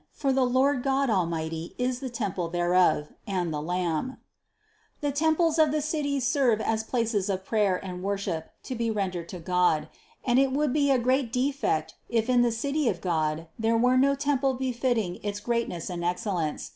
For the Lord God Almighty is the temple thereof, and the Lamb." The temples of the cities serve as places of prayer and worship to be rendered to God ; and it would 242 CITY OF GOD be a great defect, if in the City of God there were no temple befitting its greatness and excellence.